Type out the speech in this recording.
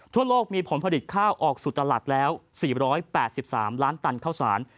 ทั่วโลกมีผลผลิตข้าวออกสู่ตลาดแล้ว๔๘๓ล้านตันข้าวสาร